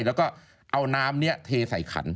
แล้วก็เอาน้ำนี้เทใส่ขัน